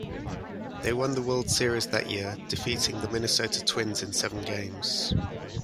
They won the World Series that year, defeating the Minnesota Twins in seven games.